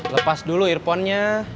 lepas dulu earphonenya